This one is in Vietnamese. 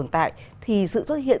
thì sự xuất hiện